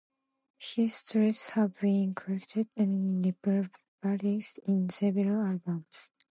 His strips have been collected and republished in several albums.